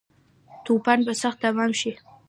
توپان به سخت تمام شی